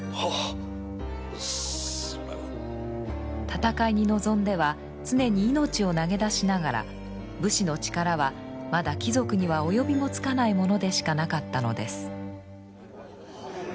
戦いに臨んでは常に命を投げ出しながら武士の力はまだ貴族には及びもつかないものでしかなかったのです。